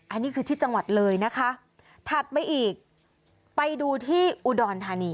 อันนี้คือที่จังหวัดเลยนะคะถัดมาอีกไปดูที่อุดรธานี